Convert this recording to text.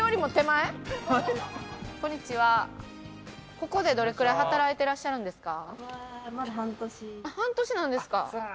ここでどれくらい働いてらっしゃるんですか？